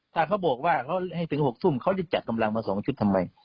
ถ้าเขาบอกว่าเขาให้ถึง๖ทุ่มเขาจะจัดกำลังมา๒ชุดทำไม